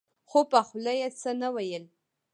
خو په خوله يې څه نه ويل.